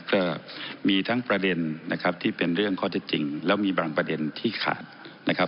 ก็มีทั้งประเด็นนะครับที่เป็นเรื่องข้อเท็จจริงแล้วมีบางประเด็นที่ขาดนะครับ